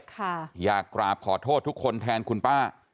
อยากกราบขอโทษทุกคนแทนคุณป้า